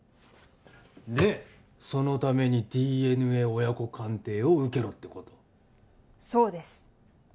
でそのためにＤＮＡ親子鑑定を受けろってことそうです